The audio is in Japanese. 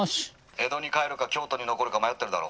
「江戸に帰るか京都に残るか迷ってるだろ」。